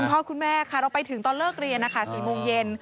พ่อคุณแม่ค่ะเราไปถึงตอนเลิกเรียนนะคะ๔โมงเย็น